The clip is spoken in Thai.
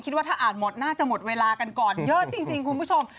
ว่าถ้าอ่านหมดน่าจะหมดเวลากันก่อนเยอะจริงคุณผู้ชม